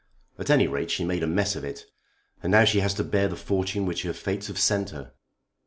"At any rate she made a mess of it. And now she has to bear the fortune which her fates have sent her.